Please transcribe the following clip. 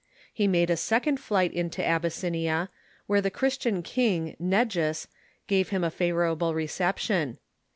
He made a second flight into Abyssinia, where the Christian king, Negus, gave him a favorable reception.